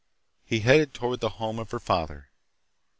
He headed toward the home of her father.